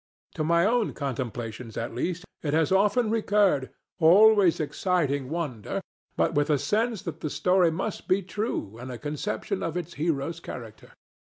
To my own contemplations, at least, it has often recurred, always exciting wonder, but with a sense that the story must be true and a conception of its hero's character.